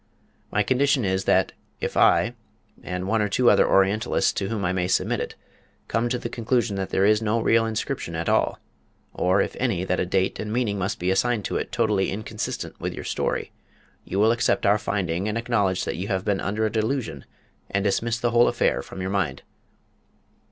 "My condition is, that if I, and one or two other Orientalists to whom I may submit it, come to the conclusion that there is no real inscription at all or, if any, that a date and meaning must be assigned to it totally inconsistent with your story you will accept our finding and acknowledge that you have been under a delusion, and dismiss the whole affair from your mind."